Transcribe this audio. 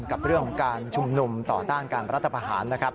กับเรื่องการชุมหนุ่มต่อต้านการรัฐภาษณ์